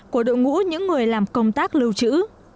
của đội ngũ những người làm công tác lưu trữ